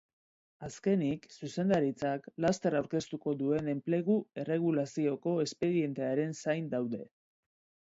Azkenik, zuzendaritzak laster aurkeztuko duen enplegu-erregulazioko espedientearen zain daude.